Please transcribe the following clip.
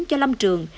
cho lâm trường